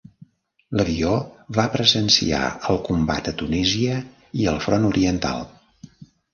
L'avió va presenciar el combat a Tunísia i al Front Oriental.